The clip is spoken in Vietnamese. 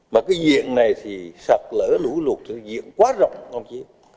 mà cái diện này thì sọt lở lũ lụt thì diện quá rộng không chí